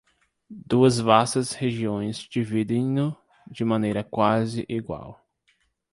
Duas vastas regiões dividem-no de maneira quase igual.